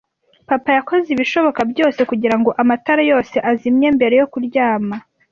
Papa yakoze ibishoboka byose kugirango amatara yose azimye mbere yo kuryama.